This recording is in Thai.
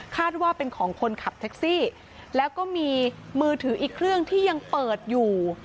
ว่าเป็นของคนขับแท็กซี่แล้วก็มีมือถืออีกเครื่องที่ยังเปิดอยู่